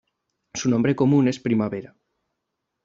Su nombre común es primavera.